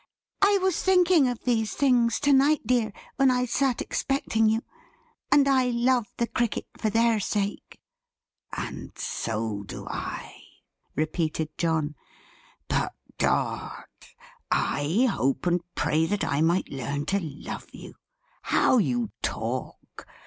I was thinking of these things to night, dear, when I sat expecting you; and I love the Cricket for their sake!" "And so do I," repeated John. "But Dot? I hope and pray that I might learn to love you? How you talk!